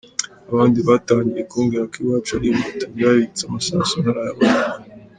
Abandi batangiye kumbwira ko iwacu ari Inkotanyi babitse amasasu ntarayabona.